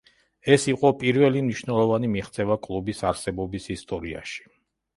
ეს იყო პირველი მნიშვნელოვანი მიღწევა კლუბის არსებობის ისტორიაში.